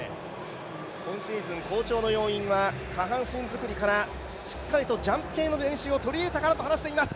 今シーズン好調の要因は下半身作りからしっかりとジャンプ系の練習を取り入れたからと話しています。